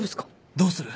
どうする？